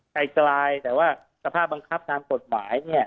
ไกลแต่ว่าสภาพบังคับตามกฎหมายเนี่ย